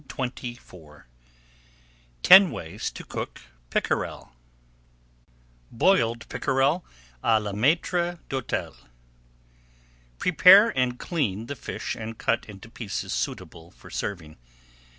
[Page 241] TEN WAYS TO COOK PICKEREL BROILED PICKEREL À LA MAÎTRE D'HÔTEL Prepare and clean the fish and cut into pieces suitable for serving.